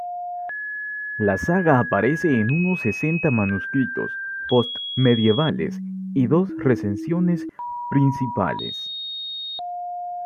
La saga aparece en unos sesenta manuscritos post-medievales, y dos recensiones principales.